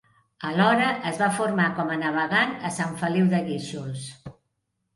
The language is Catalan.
Alhora es va formar com a navegant a Sant Feliu de Guíxols.